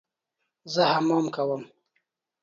زه حمام کوم